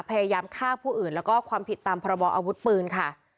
พยายามฆ่าผู้อื่นแล้วก็ความผิดตามพรบออาวุธปืนค่ะ